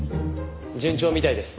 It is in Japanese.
順調みたいです。